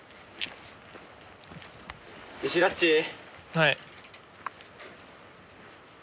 はい。